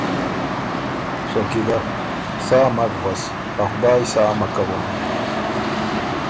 شکیله: سا مک غؤس۔ ا خدایٛ سا مک کوون۔